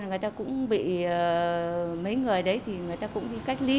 người ta cũng bị mấy người đấy thì người ta cũng bị cách ly